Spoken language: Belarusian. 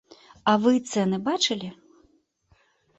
А вы цэны бачылі?